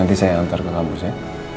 nanti saya nantar ke labus ya